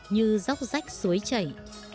như dốc rách suối chảy